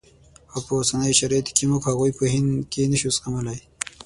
او په اوسنیو شرایطو کې موږ هغوی په هند کې نه شو زغملای.